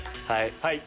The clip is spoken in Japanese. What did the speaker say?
はい。